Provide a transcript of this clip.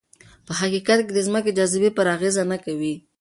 په حقیقت کې د ځمکې جاذبه پرې اغېز نه کوي.